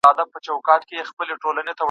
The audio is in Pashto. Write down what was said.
ولې باید له ناتوانه خلکو سره مرسته وکړو؟